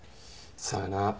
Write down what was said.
さあな。